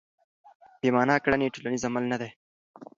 بې مانا کړنې ټولنیز عمل نه دی.